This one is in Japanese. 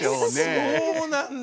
そうなんだ。